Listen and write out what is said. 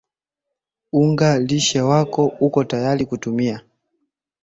unga lishe wako uko tayari kutumia